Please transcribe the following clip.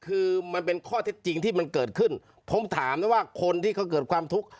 คือมันเป็นข้อเท็จจริงที่มันเกิดขึ้นผมถามนะว่าคนที่เขาเกิดความทุกข์